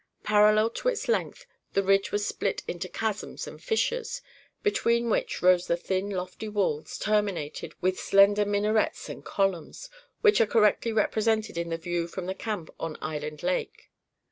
Parallel to its length, the ridge was split into chasms and fissures, between which rose the thin, lofty walls, terminated with slender minarets and columns, which are correctly represented in the view from the camp on Island Lake.